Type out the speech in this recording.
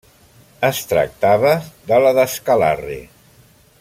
Es tractava de la d'Escalarre.